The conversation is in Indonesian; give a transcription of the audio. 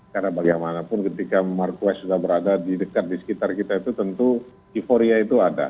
karena bagaimanapun ketika marquess sudah berada di dekat di sekitar kita itu tentu euforia itu ada